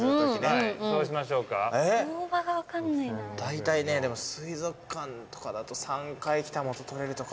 だいたいね水族館とかだと３回来たら元取れるとか。